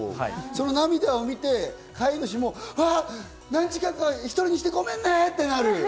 その涙を見て飼い主も、何時間か１人にしてごめんねとなる。